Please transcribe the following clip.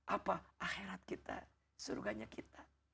apa akhirat kita surganya kita